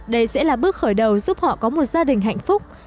đây sẽ là bước khởi đầu giúp họ có một gia đình hạnh phúc